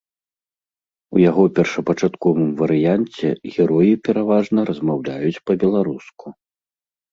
У яго першапачатковым варыянце героі пераважна размаўляюць па-беларуску.